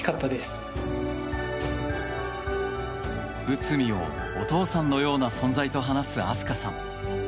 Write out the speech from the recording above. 内海をお父さんのような存在と話す飛鳥さん。